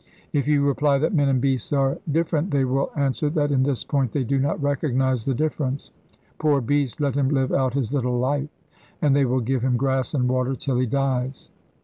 If you reply that men and beasts are different, they will answer that in this point they do not recognise the difference. 'Poor beast! let him live out his little life.' And they will give him grass and water till he dies.